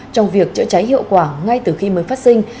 trong việc chữa cháy hiệu quả ngay từ khi mới phát sinh